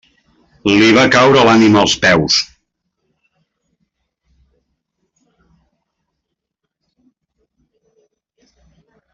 Li va caure l'ànima als peus.